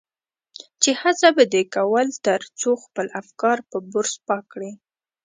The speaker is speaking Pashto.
چې هڅه به دې کول تر څو خپل افکار په برس پاک کړي.